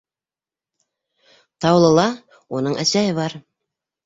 Таулыла уның әсәһе бар.